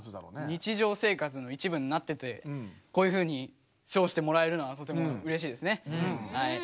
日じょう生活のいちぶになっててこういうふうに賞してもらえるのはとてもうれしいですね！